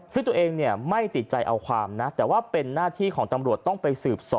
ซึ่งตัวเองเนี่ยไม่ติดใจเอาความนะแต่ว่าเป็นหน้าที่ของตำรวจต้องไปสืบสอบ